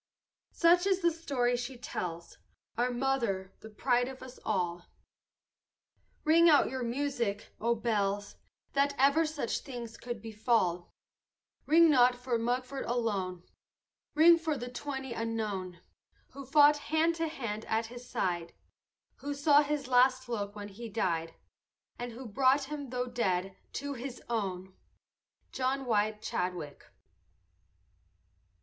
Such is the story she tells, Our mother, the pride of us all. Ring out your music, O bells, That ever such things could befall! Ring not for Mugford alone, Ring for the twenty unknown, Who fought hand to hand at his side, Who saw his last look when he died, And who brought him, though dead, to his own! JOHN WHITE CHADWICK.